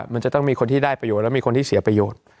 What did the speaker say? มันจะต้องมีคนที่ได้ประโยชน์และมีคนที่เสียประโยชน์